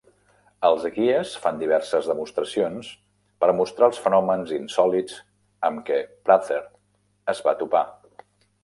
Els guies fan diverses demostracions per mostrar els fenòmens insòlits amb què Prather es va topar.